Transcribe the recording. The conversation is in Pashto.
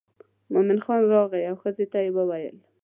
مومن خان راغی او ښځې ته یې وویل.